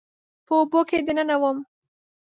په اوبو کې دننه وم